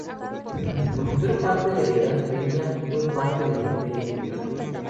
Durante la mayor parte de la Edad Media, fue parte del Imperio búlgaro.